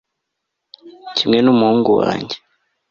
kimwe n'umuhungu wanjye